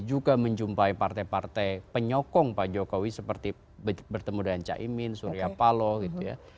juga menjumpai partai partai penyokong pak jokowi seperti bertemu dengan caimin surya paloh gitu ya